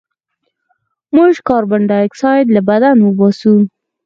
موږ کاربن ډای اکسایډ له بدن وباسو